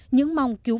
những mong cứu vất